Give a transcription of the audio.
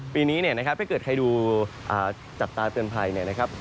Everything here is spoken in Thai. ปีนี้นะครับถ้าเกิดใครดูจัดตาเตือนภัยนะครับ